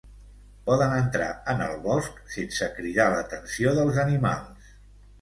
Poden entrar en el bosc sense cridar l'atenció dels animals.